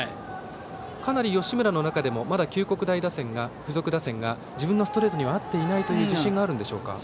かなり吉村の中でもまだ九国大付属打線が自分のストレートには合ってないという自信があるんでしょうか。